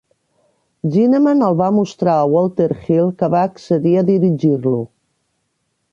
Zinnemann el va mostrar a Walter Hill, que va accedir a dirigir-lo.